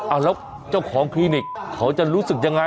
เอาแล้วเจ้าของคลินิกเขาจะรู้สึกยังไง